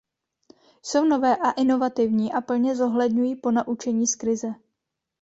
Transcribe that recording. Jsou nové a inovativní a plně zohledňují ponaučení z krize.